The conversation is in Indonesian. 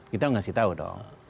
kita ngasih tau dong